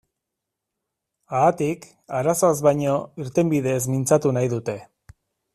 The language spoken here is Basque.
Haatik, arazoaz baino, irtenbideez mintzatu nahi dute.